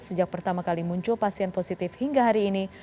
sejak pertama kali muncul pasien positif hingga hari ini